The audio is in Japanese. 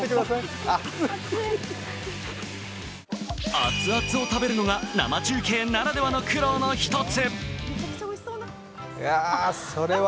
熱々を食べるのが生中継ならではの苦労の一つ。